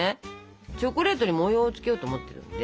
チョコレートに模様をつけようと思ってるんで。